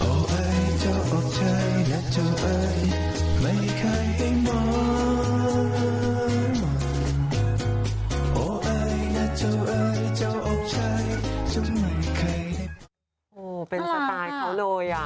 โอ้โหเป็นสไตล์เขาเลยอ่ะ